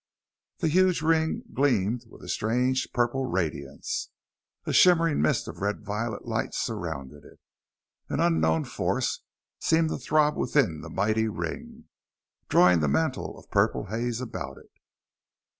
The huge ring gleamed with a strange purple radiance. A shimmering mist of red violet light surrounded it. An unknown force seemed to throb within the mighty ring, drawing the mantle of purple haze about it.